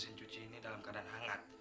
mesin cuci ini dalam keadaan hangat